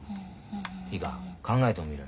いいか考えてもみろよ。